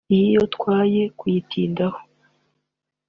Iyi yo twoye kuyitindaho